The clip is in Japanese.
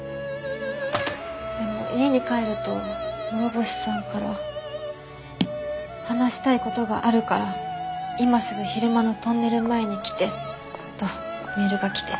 でも家に帰ると諸星さんから「話したいことがあるから今すぐ昼間のトンネル前に来て」とメールが来て。